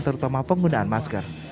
terutama penggunaan masker